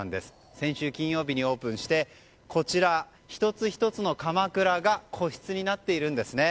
先週金曜日にオープンしてこちら、１つ１つのかまくらが個室になっているんですね。